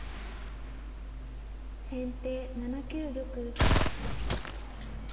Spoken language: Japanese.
先手７九玉。